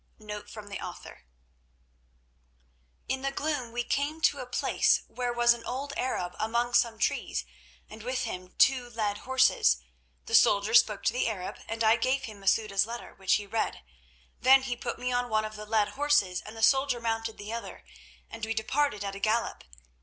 —Author "In the gloom we came to a place, where was an old Arab among some trees, and with him two led horses. The soldier spoke to the Arab, and I gave him Masouda's letter, which he read. Then he put me on one of the led horses and the soldier mounted the other, and we departed at a gallop.